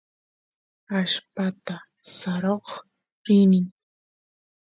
allpata saroq rini